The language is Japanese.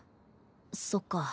そっか。